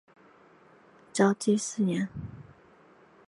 绍熙四年。